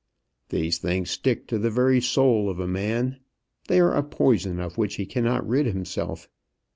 "These things stick to the very soul of a man. They are a poison of which he cannot rid himself.